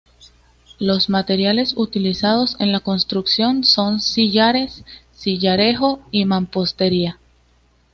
Los materiales utilizados en la construcción son sillares, sillarejo y mampostería.